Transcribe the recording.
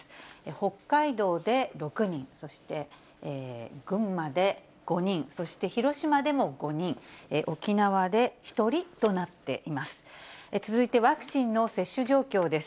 北海道で６人、そして群馬で５人、そして広島でも５人、沖縄で１人となっています。